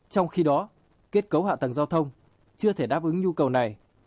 trong khi đó kết cấu hạ tầng giao thông chưa thể đáp ứng nhu cầu này